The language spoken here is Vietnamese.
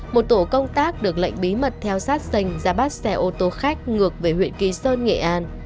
một tổ công tác được lệnh bí mật theo sát xanh ra bắt xe ô tô khách ngược về huyện kỳ sơn nghệ an